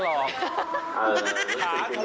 อ๋อมันก็จะถล่อม